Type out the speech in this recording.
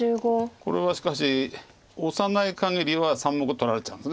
これはしかしオサないかぎりは３目取られちゃうんです。